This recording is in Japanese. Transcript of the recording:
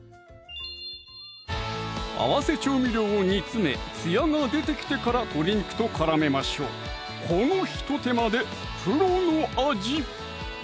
合わせ調味料を煮つめつやが出てきてから鶏肉と絡めましょうこのひと手間でプロの味！